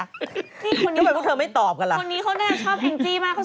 คนนี้เขาน่ะชอบแองจี้มาก